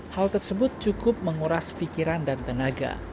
hal tersebut cukup menguras pikiran dan tenaga